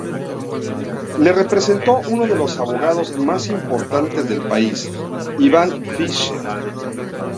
Le representó uno de los abogados más importantes del país, Ivan Fisher.